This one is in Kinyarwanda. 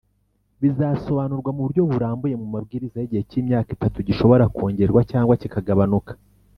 bizasobanurwa muburyo burambuye mu mabwiriza y’igihe cy imyaka itatu gishobora kongerwa cyangwa kikagabanuka.